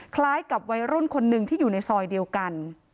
คล้ายกับวัยรุ่นคนหนึ่งที่อยู่ในซอยเดียวกัน